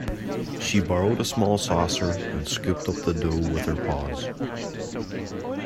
She borrowed a small saucer, and scooped up the dough with her paws.